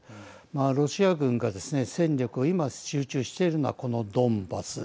ロシア軍がですね戦力を今、集中しているのはこのドンバス。